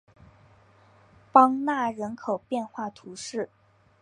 邦讷人口变化图示